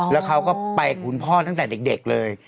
แล้วเขาก็ไปคุณพ่อตั้งแต่เด็กเลย